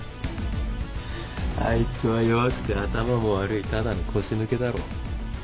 あいつは弱くて頭も悪いただの腰抜けだろ。